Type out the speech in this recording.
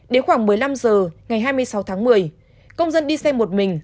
đến khoảng một mươi năm h ngày hai mươi sáu tháng một mươi công dân đi xe một mình